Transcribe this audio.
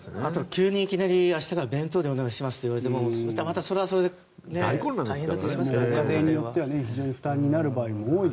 急にいきなり明日から弁当でお願いしますと言われてもそれはそれで大変ですからね。